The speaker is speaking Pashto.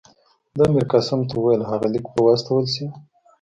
ده میرقاسم ته وویل هغه لیک به واستول شي.